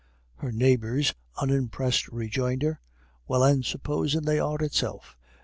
Her neighbours' unimpressed rejoinder, "Well, and supposin' they are itself?"